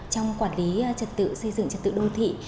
trong quản lý trật tự xây dựng trật tự đô thị